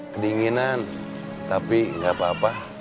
kedinginan tapi nggak apa apa